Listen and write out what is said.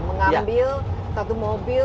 mengambil satu mobil